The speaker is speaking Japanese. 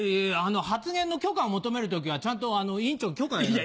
発言の許可を求める時はちゃんと委員長の許可を得ないと。